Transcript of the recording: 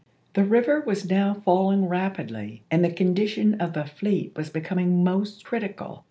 The river was now falling rapidly and the condition of the fleet was becoming most critical.